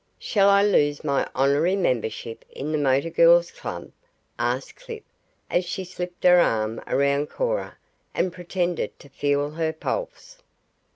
"Shall I lose my honorary membership in the Motor Girls' Club?" asked Clip as she slipped her arm around Cora and pretended to feel her pulse.